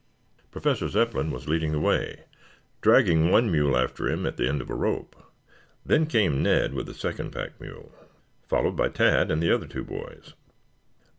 Professor Zepplin was leading the way, dragging one mule after him at the end of a rope. Then came Ned with the second pack mule, followed by Tad and the other two boys.